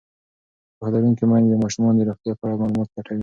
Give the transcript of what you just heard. پوهه لرونکې میندې د ماشومانو د روغتیا په اړه معلومات لټوي.